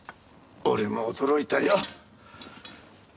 俺も驚いたよ。